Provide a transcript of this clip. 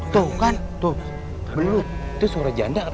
tuh kan tuh belum tuh suara janda